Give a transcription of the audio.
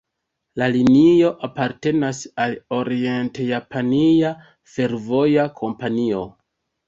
La linio apartenas al Orient-Japania Fervoja Kompanio.